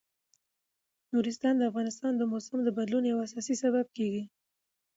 نورستان د افغانستان د موسم د بدلون یو اساسي سبب کېږي.